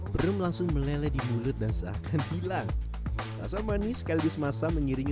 brem langsung meleleh di mulut dan seakan hilang rasa manis sekaligus masa mengiringi